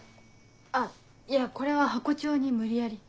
あっいやこれはハコ長に無理やり。